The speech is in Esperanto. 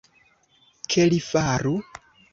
Ke li faru.